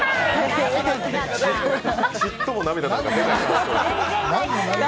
ちっとも涙なんか出ない。